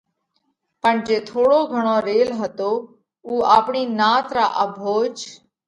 پڻ جي ٿوڙو گھڻو ريل هتو اُو آپڻِي نات را اڀوج